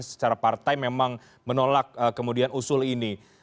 secara part time memang menolak kemudian usul ini